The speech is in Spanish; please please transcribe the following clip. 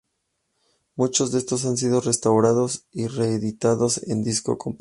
Muchos de estos han sido restaurados y reeditados en Disco Compacto.